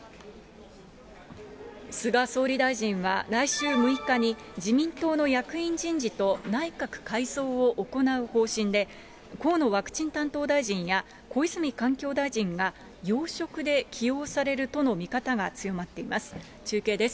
菅総理大臣は、来週６日に、自民党の役員人事と内閣改造を行う方針で、河野ワクチン担当大臣や小泉環境大臣が要職で起用されるとの見方が強まっています。